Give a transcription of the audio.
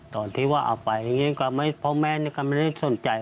ตอนที่ว่าอาภัยพ่อแม่ก็ไม่ได้สนใจ